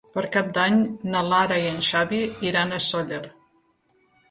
Per Cap d'Any na Lara i en Xavi iran a Sóller.